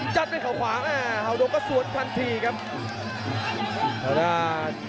จัดไว้ข่าวขวาอ่าข่าวโดงก็สวนทันทีครับ